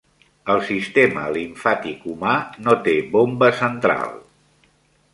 El sistema limfàtic humà no té bomba central.